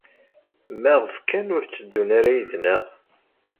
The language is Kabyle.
Maɣef kan ur tteddun ara yid-neɣ?